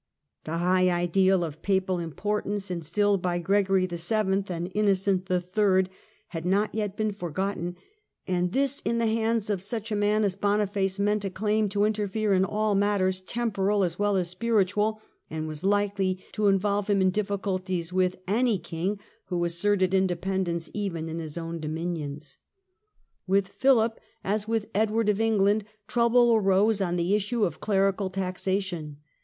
The high ideal of Papal importance, in stilled by Gregory VII. and Innocent III., had not yet been forgotten, and this in the hands of such a man as Boniface meant a claim to interfere in all matters, temporal as well as spiritual, and was likely to involve him in difficulties with any Kmg who asserted inde pendence, even in his own dominions, With Phihp, as 56 THE END OF THE MIDDLE AGE with Edward of England, trouble arose on the question of clerical taxation.